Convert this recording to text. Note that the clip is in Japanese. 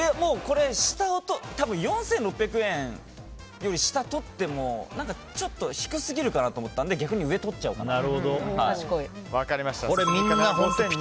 多分、４６００円より下取ってもちょっと低すぎるかなと思ったので逆に上をとっちゃおうかなと。